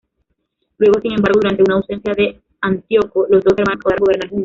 Luego, sin embargo, durante una ausencia de Antíoco los dos hermanos acordaron gobernar juntos.